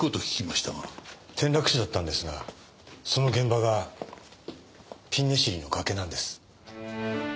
転落死だったんですがその現場がピンネシリの崖なんです。